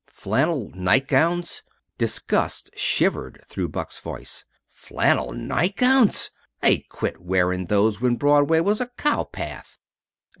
"Flannel nightgowns!" Disgust shivered through Buck's voice. "Flannel nightgowns! They quit wearing those when Broadway was a cow path."